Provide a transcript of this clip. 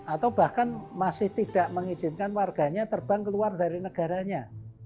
atau bahkan masih tidak mengizinkan warganya terbang keluar dari negaranya